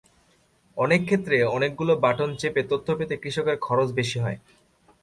অনেক ক্ষেত্রে অনেকগুলো বাটন চেপে তথ্য পেতে কৃষকের খরচ বেশি হয়।